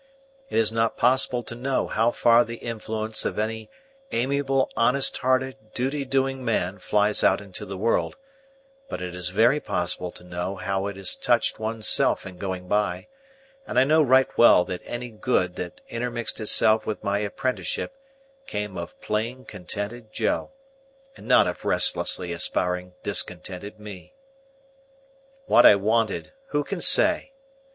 It is not possible to know how far the influence of any amiable honest hearted duty doing man flies out into the world; but it is very possible to know how it has touched one's self in going by, and I know right well that any good that intermixed itself with my apprenticeship came of plain contented Joe, and not of restlessly aspiring discontented me. What I wanted, who can say?